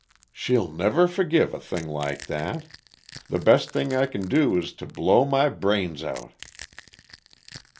"She'll never forgive a thing like that the best thing I can do is to blow my brains out!"